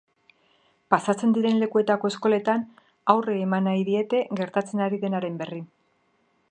Pasatzen diren lekuetako eskoletan, haurrei eman nahi diete gertatzen ari denaren berri.